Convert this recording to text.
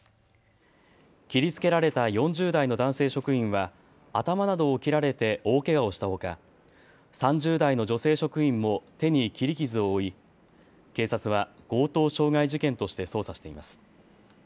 切りつけられた４０代の男性職員は頭などを切られて大けがをしたほか３０代の女性職員も手に切り傷を負い警察は強盗傷害事件として捜査しています。